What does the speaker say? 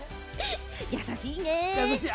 優しいよね。